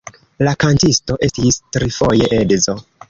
La kantisto estis trifoje edzo.